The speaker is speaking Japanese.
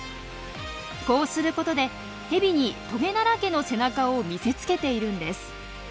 こうすることでヘビにトゲだらけの背中を見せつけているんです。